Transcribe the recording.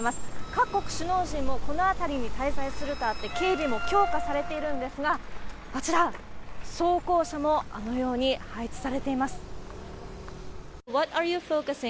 各国首脳人もこの辺りに滞在するとあって、警備も強化されているんですが、あちら、装甲車もあのように配置されています。